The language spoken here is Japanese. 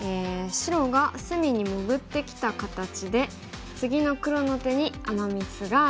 白が隅に潜ってきた形で次の黒の手にアマ・ミスがあるようです。